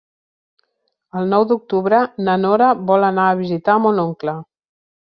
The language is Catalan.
El nou d'octubre na Nora vol anar a visitar mon oncle.